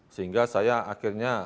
sehingga saya akhirnya